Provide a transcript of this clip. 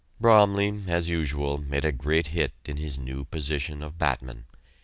Bromley, as usual, made a great hit in his new position of batman.